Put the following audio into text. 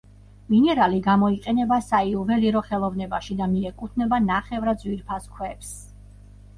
მინერალი გამოიყენება საიუველირო ხელოვნებაში და მიეკუთვნება ნახევრად ძვირფას ქვებს.